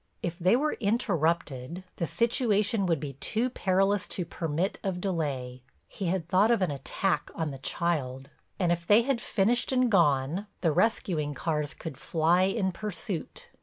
If they were interrupted the situation would be too perilous to permit of delay—he had thought of an attack on the child—and if they had finished and gone the rescuing cars could fly in pursuit.